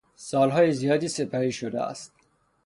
سالهای زیادی سپری شده است.